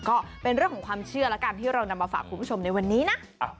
ก็เป็นเรื่องของความเชื่อแล้วกันที่เรานำมาฝากคุณผู้ชมในวันนี้นะ